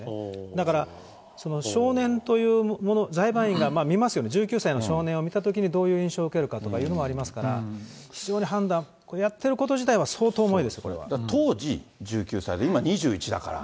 だから少年というもの、裁判員が見ますよね、１９歳の少年を見たときに、どういう印象を受けるかということもありますから、非常に判断、やってること自体は相当重いです、これは。当時１９歳で、今２１だから。